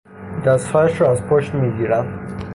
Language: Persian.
دستهایشان را از پشت میگیرند